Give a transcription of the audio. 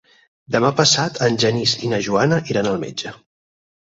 Demà passat en Genís i na Joana iran al metge.